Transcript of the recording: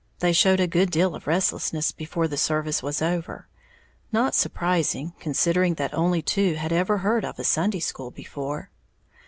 They showed a good deal of restlessness before the service was over, not surprising considering that only two had ever heard of a Sunday school before.